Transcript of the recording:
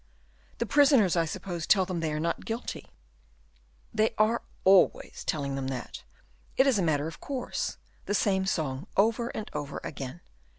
"The prisoners, I suppose, tell them they are not guilty?" "They are always telling them that; it is a matter of course; the same song over and over again."